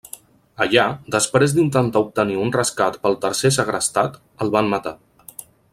Allà, després d'intentar obtenir un rescat pel tercer segrestat, el van matar.